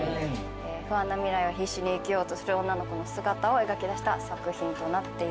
不安な未来を必死に生きようとする女の子の姿を描き出した作品となっています。